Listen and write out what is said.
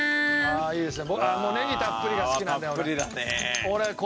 あっいいですね。